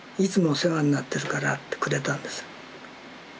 お世話になってるからってくれたんですよ。